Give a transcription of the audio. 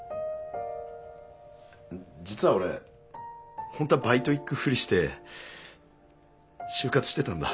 実は俺ホントはバイト行くふりして就活してたんだ。